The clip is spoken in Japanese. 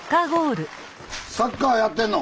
サッカーやってんの？